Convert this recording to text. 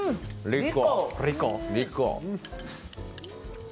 リコ！